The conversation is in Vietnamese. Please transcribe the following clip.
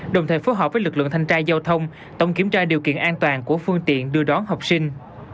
đồng thời phối hợp với lực lượng thanh tra giao thông tổng kiểm tra điều kiện an toàn của phương tiện đưa đón học sinh